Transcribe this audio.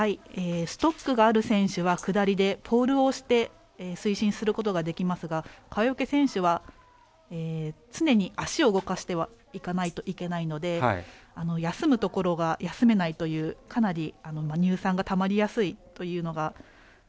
ストックがある選手は下りでポールを押して推進することができますが川除選手は常に足を動かしていかないといけないので休むところが休めないというかなり乳酸がたまりやすいというのが。